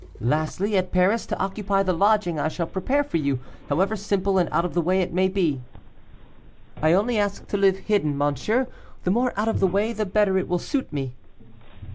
'Lastly, at Paris, to occupy the lodging I shall prepare for you, however simple and out of the way it may be.' 'I only ask to live hidden, monsieur, the more out of the way, the better it will suit me.